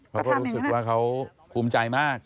เขาก็รู้สึกว่าเขาภูมิใจมาก